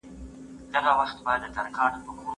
له کورنۍ سره د وخت تېرول د ژوند کیفیت ښه کوي.